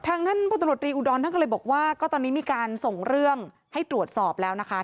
ท่านพลตำรวจรีอุดรท่านก็เลยบอกว่าก็ตอนนี้มีการส่งเรื่องให้ตรวจสอบแล้วนะคะ